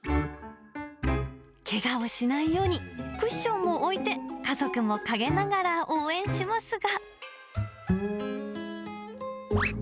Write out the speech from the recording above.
けがをしないように、クッションを置いて、家族も陰ながら応援しますが。